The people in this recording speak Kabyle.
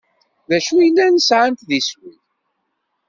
D acu llan sɛan d iswi?